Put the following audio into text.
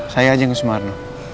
saya aja yang ke sumarno